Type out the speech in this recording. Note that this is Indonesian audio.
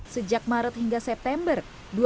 sejak maret hingga september